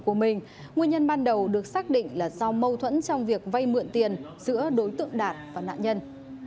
nguyên nhân ban đầu được xác định là do mâu thuẫn trong việc vây mượn tiền giữa đối tượng đạt và nạn nhân